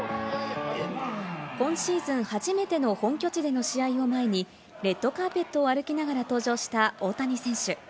今シーズン初めての本拠地での試合を前にレッドカーペットを歩きながら登場した大谷選手。